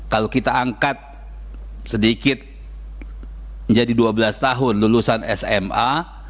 kalau kita angkat sedikit menjadi dua belas tahun lulusan sma